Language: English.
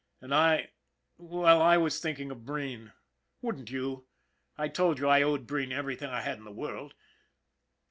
And I, well, I was thinking of Breen. Wouldn't you? I told you I owed Breen everything I had in the world.